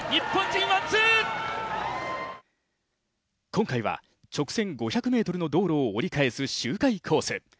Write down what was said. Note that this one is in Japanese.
今回は直線５００ｍの道路を折り返す周回コース。